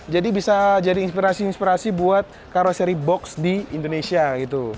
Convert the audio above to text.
jadi bisa jadi inspirasi inspirasi buat karoseri box di indonesia gitu